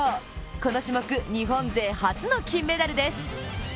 この種目、日本勢初の金メダルです。